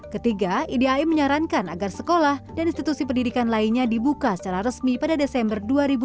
ketiga idai menyarankan agar sekolah dan institusi pendidikan lainnya dibuka secara resmi pada desember dua ribu dua puluh